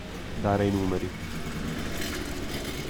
Dare i numeri.